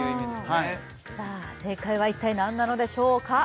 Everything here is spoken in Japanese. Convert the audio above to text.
はいさあ正解は一体何なのでしょうか？